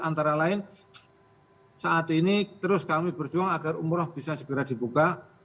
antara lain saat ini terus kami berjuang agar umroh bisa segera dibuka